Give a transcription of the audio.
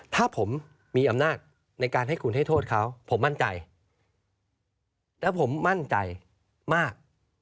ถ้าผมมีอำนาจในการให้คุณให้โทษเขาผมมั่นใจและผมมั่นใจมาก